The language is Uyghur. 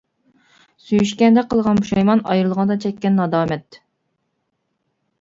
سۆيۈشكەندە قىلغان پۇشايمان، ئايرىلغاندا چەككەن نادامەت.